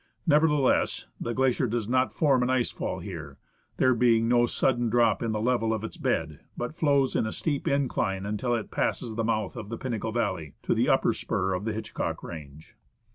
Nevertheless, the glacier does not form an ice fall here, there being no sudden drop in the level of its bed, but flows in a steep incline until' it has passed the mouth of the Pinnacle valley, to the upper spur of the Hitchcock range.